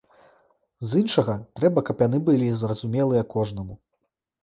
З іншага, трэба, каб яны былі зразумелыя кожнаму.